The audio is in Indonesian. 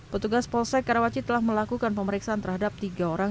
petugas polsek karawaci telah melakukan pemeriksaan terhadap tiga orang